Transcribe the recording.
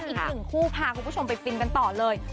อีกหนึ่งคู่พาคุณผู้ชมไปฟินกันต่อเลย